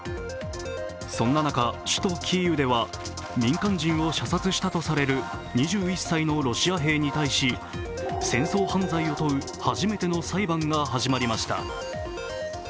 そんな中、首都キーウでは民間人を射殺したとされる２１歳のロシア兵に対し戦争犯罪を問う初めての裁判が始まりました。